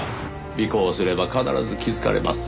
尾行すれば必ず気づかれます。